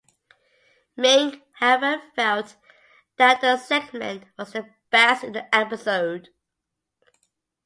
Mink however felt that the segment was the best in the episode.